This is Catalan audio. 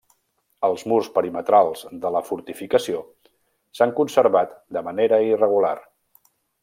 Els murs perimetrals de la fortificació s'han conservat de manera irregular.